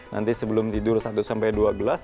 nanti sebelum tidur satu sampai dua belas